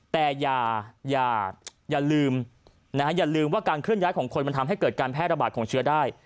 แต่อย่าลืมว่าการเคลื่อนย้ายของคนมันทำให้เกิดการแพทย์ระบาดของเชื้อได้